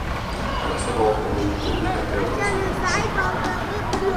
Ja se hohde muuttuu yhä keltaisemmaksi.